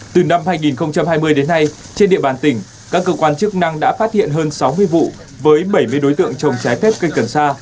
từ năm hai nghìn hai mươi đến nay trên địa bàn tỉnh các cơ quan chức năng đã phát hiện hơn sáu mươi vụ với bảy mươi đối tượng trồng trái phép cây cần sa